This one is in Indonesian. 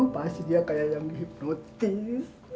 pasti dia kayak yang hipnotis